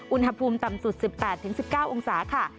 อุณหภูมิต่ำสุด๑๘๑๙องศาค่ะ